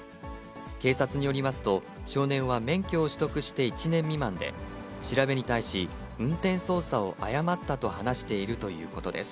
警察によりますと、少年は免許を取得して１年未満で、調べに対し、運転操作を誤ったと話しているということです。